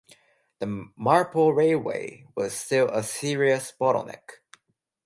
The Marple railway was still a serious bottleneck.